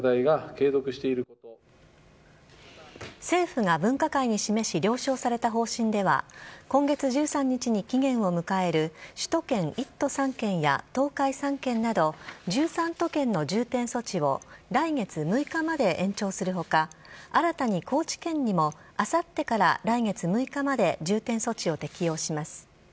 政府が分科会に示し了承された方針では今月１３日に期限を迎える首都圏１都３県や東海３県など１３都県の重点措置を来月６日まで延長する他新たに高知県にもあさってから来月６日まで重点措置を適用します。